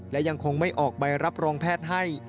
และยังคงไม่ออกใบรับรองแพทย์ให้